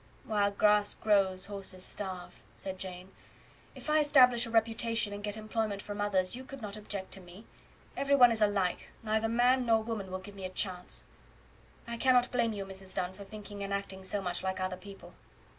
"While grass grows horses starve," said Jane. "If I establish a reputation and get employment from others you could not object to me. Everyone is alike; neither man nor woman will give me a chance. "I cannot blame you, Mrs. Dunn, for thinking and acting so much like other people."